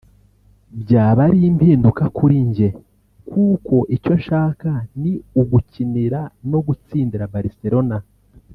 byaba ari impinduka kuri njye kuko icyo nshaka ni ugukinira no gutsindira Barcelona